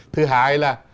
thứ hai là